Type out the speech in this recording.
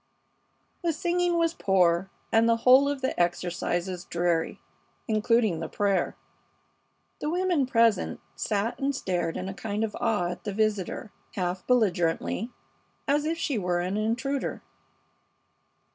The singing was poor, and the whole of the exercises dreary, including the prayer. The few women present sat and stared in a kind of awe at the visitor, half belligerently, as if she were an intruder.